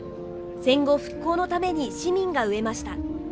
戦後、復興のために市民が植えました。